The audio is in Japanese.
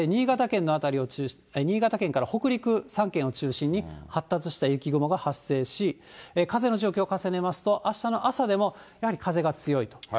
そして新潟県から北陸３県を中心に、発達した雪雲が発生し、風の状況を重ねますと、あしたの朝でも、やはり風が強いと。